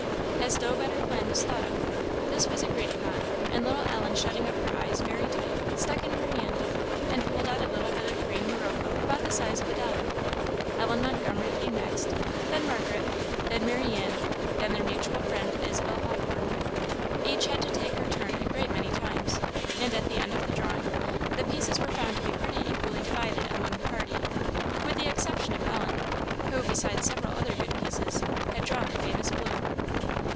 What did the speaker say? As no better plan was thought of, this was agreed upon; and little Ellen shutting up her eyes very tight, stuck in her hand and pulled out a little bit of green morocco about the size of a dollar. Ellen Montgomery came next; then Margaret, then Marianne, then their mutual friend Isabel Hawthorn. Each had to take her turn a great many times; and at the end of the drawing, the pieces were found to be pretty equally divided among the party, with the exception of Ellen, who, besides several other good pieces, had drawn the famous blue.